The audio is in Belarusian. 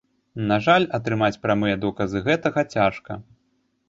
На жаль, атрымаць прамыя доказы гэтага цяжка.